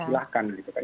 silahkan gitu kan